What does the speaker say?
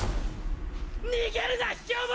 逃げるな卑怯者！